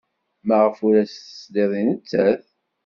Maɣef ur as-tesliḍ i nettat?